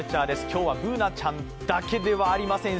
今日はＢｏｏｎａちゃんだけではありません。